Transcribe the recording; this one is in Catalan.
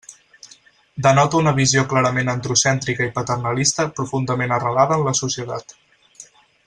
Denota una visió clarament androcèntrica i paternalista profundament arrelada en la societat.